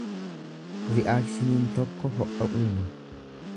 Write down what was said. Ri'akshiniin tokko ho'a uuma.